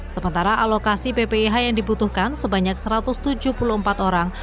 sementara alokasi ppih yang dibutuhkan sebanyak satu ratus tujuh puluh empat orang